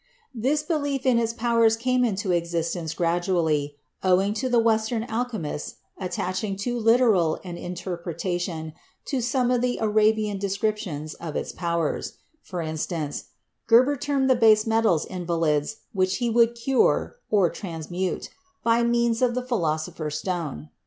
This belief in its powers came into existence gradually owing to the Western alchemists attaching too literal an interpretation to some of the Arabian descriptions of its powers; for instance, Geber termed the base metals in valids which he would cure (transmute) by means of the Philosopher's Stone.